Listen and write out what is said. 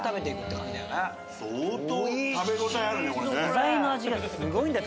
素材の味がすごいんだよ